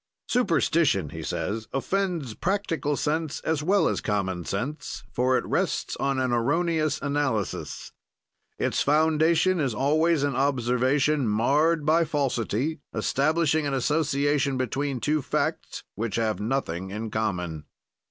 "Superstition," he says, "offends practical sense as well as common sense, for it rests on an erroneous analysis. "Its foundation is always an observation marred by falsity, establishing an association between two facts which have nothing in common.